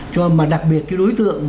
cho mà đặc biệt đối tượng